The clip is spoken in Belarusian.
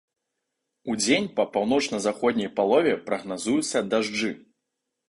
Удзень па паўночна-заходняй палове прагназуюцца дажджы.